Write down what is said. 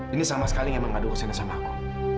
ini sama sekali memang tidak urusan sama aku